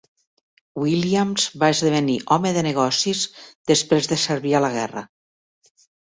Williams va esdevenir home de negocis després de servir a la guerra.